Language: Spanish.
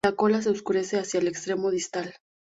La cola se oscurece hacia el extremo distal.